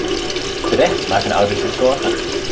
Terecht maken ouders zich zorgen.